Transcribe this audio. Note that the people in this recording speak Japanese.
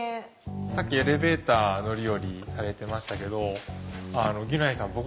さっきエレベーター乗り降りされてましたけどギュナイさんはい。